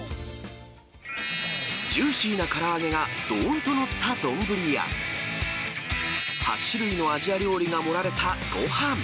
ジューシーなから揚げがどーんと載った丼や、８種類のアジア料理が盛られたごはん。